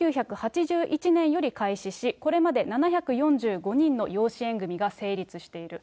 １９８１年より開始し、これまで７４５人の養子縁組が成立している。